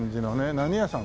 何屋さん？